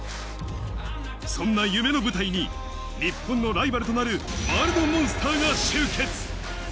そんな夢の舞台に日本のライバルとなるワールドモンスターが集結。